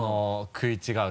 食い違う？